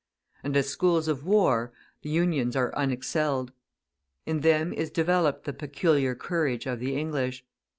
And as schools of war, the Unions are unexcelled. In them is developed the peculiar courage of the English.